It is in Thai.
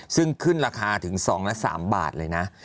ซึ่งขึ้นราคาถึง๒ละ๓บาทเลยนะ